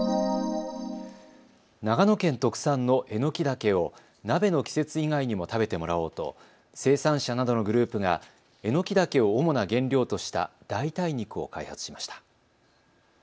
長野県特産のエノキダケを鍋の季節以外にも食べてもらおうと生産者などのグループがエノキダケを主な原料とした代替肉を開発しました。